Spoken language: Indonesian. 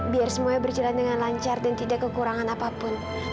biar semuanya berjalan dengan lancar dan tidak kekurangan apapun